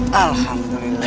boleh pak wiccaq terima kasih